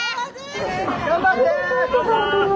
頑張って！